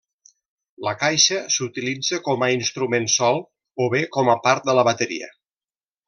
La caixa s'utilitza com a instrument sol o bé com a part de la bateria.